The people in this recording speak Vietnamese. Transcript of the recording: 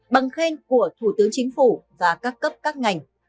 bằng khen của thủ tướng chính phủ và các cấp các ngành